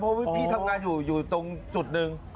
เพราะว่าพี่ทำงานอยู่อยู่ตรงจุดหนึ่ง